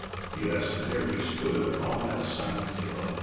Yes, there he stood, upon that silent hill.